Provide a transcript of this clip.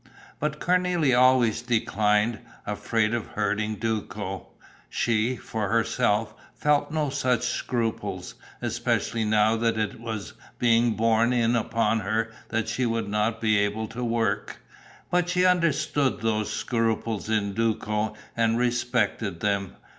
But Cornélie always declined, afraid of hurting Duco. She, for herself, felt no such scruples, especially now that it was being borne in upon her that she would not be able to work. But she understood those scruples in Duco and respected them.